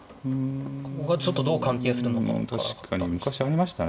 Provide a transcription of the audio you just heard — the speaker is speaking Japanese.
ここがちょっとどう関係するのか分からなかった。